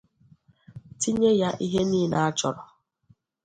tinye ya ihe niile a chọrọ